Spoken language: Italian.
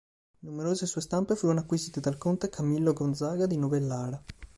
Numerose sue stampe furono acquisite dal conte Camillo Gonzaga di Novellara